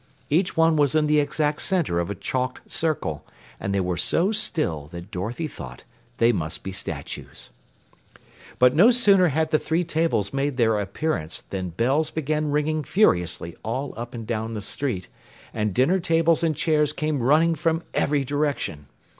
Each one was in the exact center of a chalked circle, and they were so still that Dorothy thought they must be statues. But no sooner had the three tables made their appearance than bells began ringing furiously all up and down the street, and dinner tables and chairs came running from every direction.